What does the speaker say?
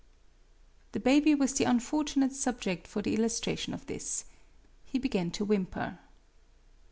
The baby was the unfortunate subject for the illustration ofthis. He began to whimper.